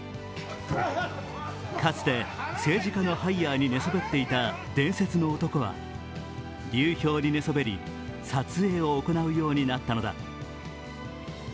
かつて政治家のハイヤーに寝そべっていた伝説の男は流氷に寝そべり、撮影を行うようになったのだ。